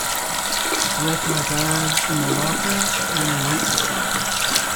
I left my bag in the locker and went to class.